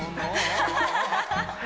ハハハハ！